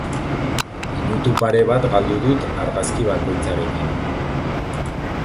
Minutu pare bat galdu dut argazki bakoitzarekin.